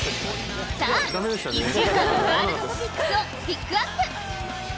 １週間のワールドトピックスをピックアップ！